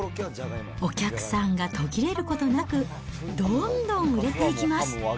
お客さんが途切れることなく、どんどん売れていきます。